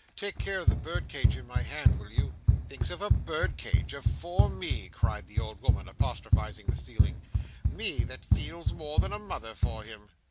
Take care of the birdcage in my hand, will you?" "Thinks of a birdcage, afore me!" cried the old woman, apostrophizing the ceiling. "Me that feels more than a mother for him!"